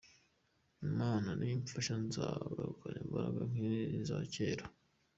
Imana nimfasha nzagarukana imbaraga nk’iza kera.